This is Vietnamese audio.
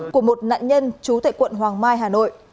của một nạn nhân trú tại quận hoàng mai hà nội